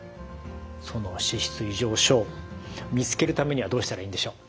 その脂質異常症見つけるためにはどうしたらいいんでしょう？